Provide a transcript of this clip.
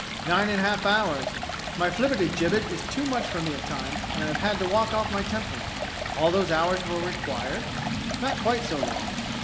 "Nine and a half hours. My Flibbertigibbet is too much for me at times, and I had to walk off my temper." "All those hours were required?" "Not quite so long."